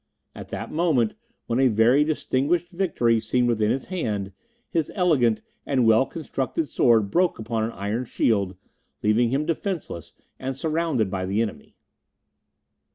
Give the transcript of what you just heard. At that moment, when a very distinguished victory seemed within his hand, his elegant and well constructed sword broke upon an iron shield, leaving him defenceless and surrounded by the enemy.